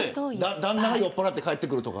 旦那が酔っぱらって帰ってくるとか。